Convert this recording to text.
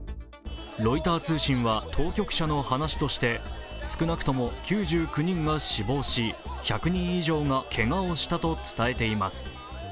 ロイター通信は当局者の話として少なくとも９９人が死亡し、１００人以上がけがをしたと伝えています。